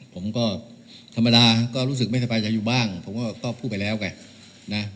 ผมก็ธรรมดาก็รู้สึกไม่สบายใจอยู่บ้างผมก็พูดไปแล้วไงนะ